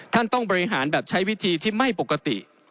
ต้องบริหารแบบใช้วิธีที่ไม่ปกติ